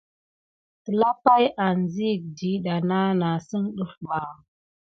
Telapay anziga ɗiɗɑ nà sine ɗef bà.